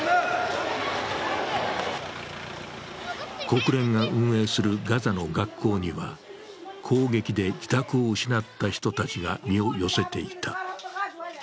国連が運営するガザの学校には、攻撃で自宅を失った人たちが身を寄せていた。